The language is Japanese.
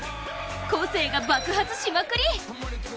個性が爆発しまくり！